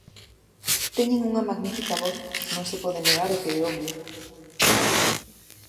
Teñen unha magnífica voz, non se pode negar o que é obvio.